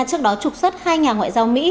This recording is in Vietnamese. trước đó trục xuất hai nhà ngoại giao mỹ